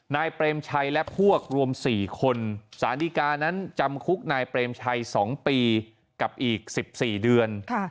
นายเปรมชัยและพวกรวม๔คนสารดีกานั้นจำคุกนายเปรมชัย๒ปีกับอีก๑๔เดือน